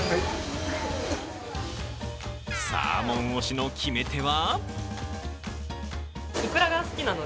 サーモン推しの決め手は？